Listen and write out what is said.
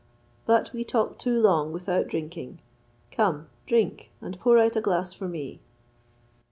But we talk too long without drinking; come, drink, and pour out a glass for me."